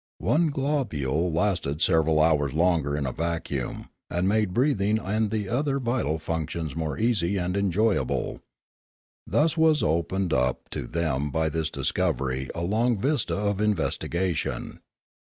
One globule lasted several hours longer in a vacuum, and made breathing and the other vital func tions more easy and enjoyable. Thus was opened up to them by this discovery a long vista of investigation.